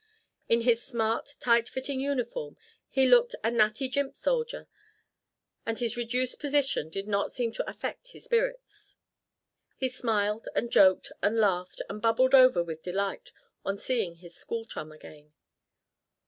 In his smart, tight fitting uniform he looked a natty jimp soldier, and his reduced position did not seem to affect his spirits. He smiled and joked and laughed and bubbled over with delight on seeing his school chum again.